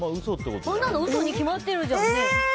こんなの嘘に決まってるじゃん。